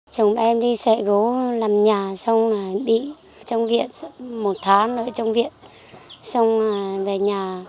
chồng em đi xe gấu làm nhà xong là bị trong viện một tháng nữa trong viện xong là về nhà